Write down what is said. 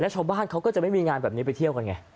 ชาวบ้านเขาก็จะไม่มีงานแบบนี้ไปเที่ยวกันไง